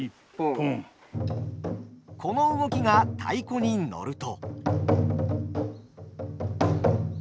この動きが太鼓に乗ると。